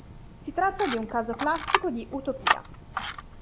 Si tratta di un caso classico di utopia.